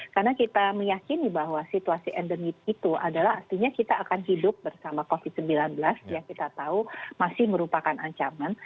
karena kita meyakini bahwa situasi endemi itu adalah artinya kita akan hidup bersama covid sembilan belas yang kita tahu masih merupakan ancaman